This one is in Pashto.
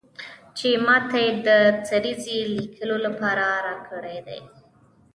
چې ماته یې د سریزې لیکلو لپاره راکړی دی.